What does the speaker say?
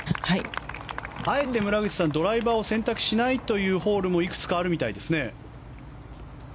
村口さん、あえてドライバーを選択しないということもいくつかあるみたいですね。